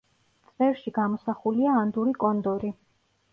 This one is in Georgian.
წვერში გამოსახულია ანდური კონდორი.